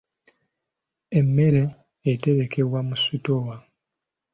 Emmere eterekebwa mu sitoowa.